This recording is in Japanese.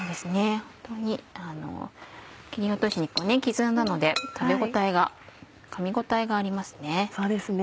本当に切り落とし肉を刻んだので食べ応えかみ応えがありますね。